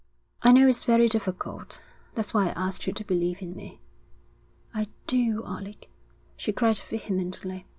'I know it's very difficult. That's why I asked you to believe in me.' 'I do, Alec,' she cried vehemently.